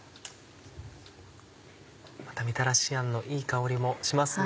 またみたらしあんのいい香りもしますね。